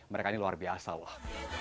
mereka ini luar biasa loh